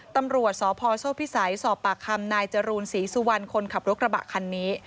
ตำรวจสพโซ่พิสัยสอบปากคำนายจรูนศรีสุวรรณคนขับรถกระบะคันนี้